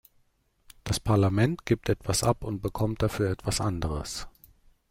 Das Parlament gibt etwas ab und bekommt dafür etwas anderes.